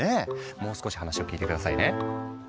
もう少し話を聞いて下さいね。